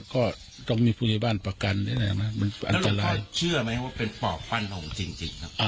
ก็ต้องมีผู้ใจบ้านประกันด้วยนะฮะมันอันตรายแล้วลุงพ่อเชื่อไหมว่าเป็นปอบพันธุ์หลงจริงจริงครับ